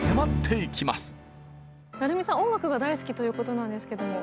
音楽が大好きということなんですけども。